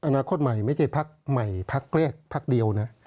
อนาคตใหม่ไม่ใช่พักใหม่พักแรกพักเดียวนะ